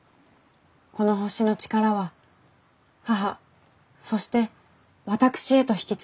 この星の力は母そして私へと引き継がれています。